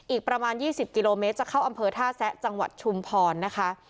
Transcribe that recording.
อีกประมาณ๒๐กิโลเมตรจะเข้าอำเภอท่าแซะจังหวัดชุมพรนะคะ